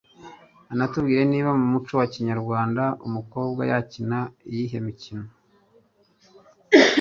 anatubwire niba mu muco wa kinyarwanda umukobwa yakina iyihe mikino